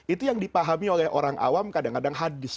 itu yang dipahami oleh orang awam kadang kadang hadis